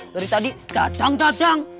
dari tadi dadang dadang